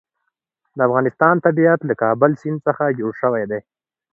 د افغانستان طبیعت له د کابل سیند څخه جوړ شوی دی.